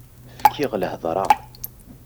Fkiɣ lhedra.